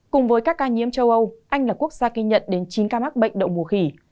cùng với các ca nhiễm châu âu anh là quốc gia ghi nhận đến chín ca mắc bệnh đậu mùa khỉ